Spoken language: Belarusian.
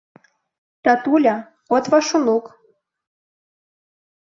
Татуля, от ваш унук.